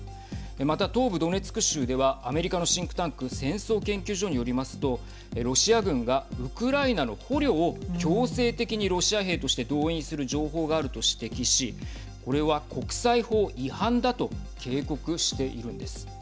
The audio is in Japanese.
また、東部ドネツク州ではアメリカのシンクタンク戦争研究所によりますとロシア軍がウクライナの捕虜を強制的にロシア兵として動員する情報があると指摘しこれは国際法違反だと警告しているんです。